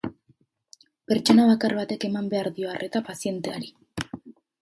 Pertsona bakar batek eman behar dio arreta pazienteari.